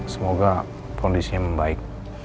semoga kondisinya membaik